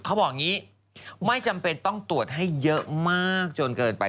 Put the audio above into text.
เขาบอกอย่างนี้ไม่จำเป็นต้องตรวจให้เยอะมากจนเกินไป